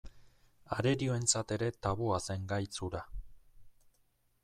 Arerioentzat ere tabua zen gaitz hura.